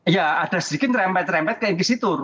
ya ada sedikit remet rempet ke inquisitor